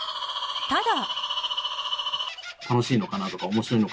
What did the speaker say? ただ。